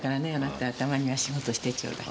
たまには仕事してちょうだい。